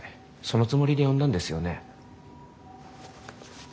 そのつもりで呼んだんですよね？